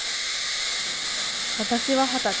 私は二十歳。